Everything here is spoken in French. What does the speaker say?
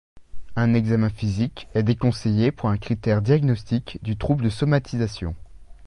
Un examen physique est déconseillé pour un critère diagnostique du trouble de somatisation.